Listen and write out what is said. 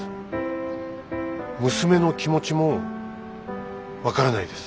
娘の気持ちも分からないです。